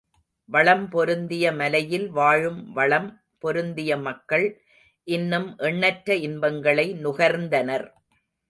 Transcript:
வளம் பொருந்திய மலையில் வாழும் வளம் பொருந்திய மக்கள் இன்னும் எண்ணற்ற இன்பங்களை நுகர்ந்தனர்.